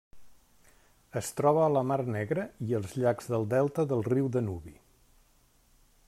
Es troba a la Mar Negra i als llacs del delta del riu Danubi.